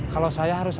kalau saya harus apa